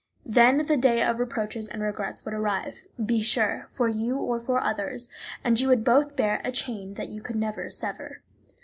Then the day of reproaches and regrets would arrive, be sure, for you or for others, and you would both bear a chain that you could not sever.